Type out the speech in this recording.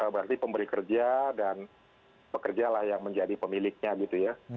berarti pemberi kerja dan pekerja lah yang menjadi pemiliknya gitu ya